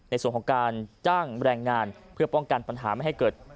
ในส่วนของการจ้างแรงงานเพื่อป้องกันปัญหาไม่ให้เกิด